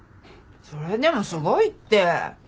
それでもすごいって。